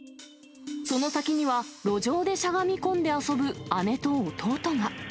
その先には、路上でしゃがみ込んで遊ぶ姉と弟が。